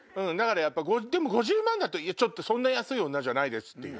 でも５０万だとそんな安い女じゃないですっていう。